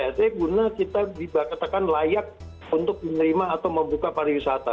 jadi kita bisa dikatakan layak untuk menerima atau membuka pariwisata